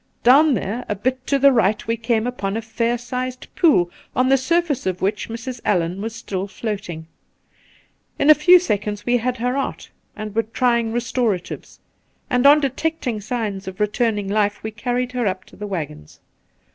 Down there, a bit to the right, we came upon a fair si^ed pool, on the surface of which Mrs. AUan was stiU float ing. In a few seconds we had her out and were trying restoratives ; and on detecting signs of re turning life we carried her up to the waggbns.